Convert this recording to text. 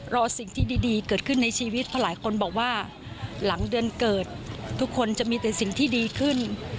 รอสิ่งที่ดีเกิดขึ้นในชีวิตเพราะหลายคนบอกว่าหลังเดือนเกิดทุกคนจะมีแต่สิ่งที่ดีขึ้น